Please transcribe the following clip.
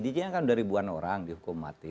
iya kan dari buan orang dihukum mati